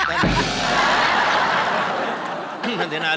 ที่จะเป็นความสุขของชาวบ้าน